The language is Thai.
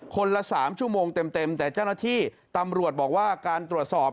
คนละ๓ชั่วโมงเต็มแต่เจ้าหน้าที่ตำรวจบอกว่าการตรวจสอบ